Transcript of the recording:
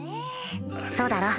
そうだろ？